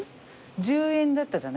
１０円だったじゃない。